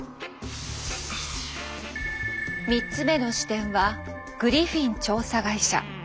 ３つ目の視点はグリフィン調査会社。